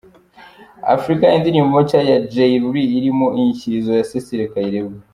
Africa indirimbo nshya ya Jay Lee irimo inyikirizo ya Cecile Kayirebwa.